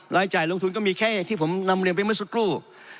รายจ่ายลงทุนก็มีแค่ที่ผมนำเรียนไปเมื่อสักครู่